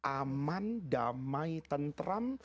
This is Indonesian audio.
aman damai tentram